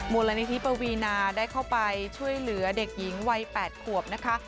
มูลนิธิปวีนาได้เข้าไปช่วยเหลือเด็กหญิงวัย๘ขวบนะคะ